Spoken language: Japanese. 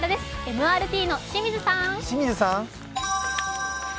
ＭＲＴの清水さん。